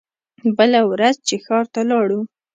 بله ورځ چې ښار ته لاړو.